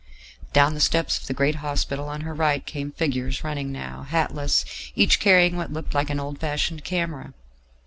Down the steps of the great hospital on her right came figures running now, hatless, each carrying what looked like an old fashioned camera.